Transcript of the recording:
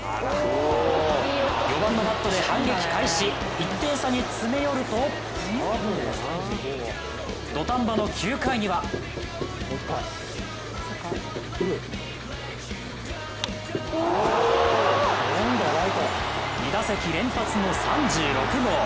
４番のバットで反撃開始、１点差に詰め寄ると土壇場の９回には２打席連発の３６号。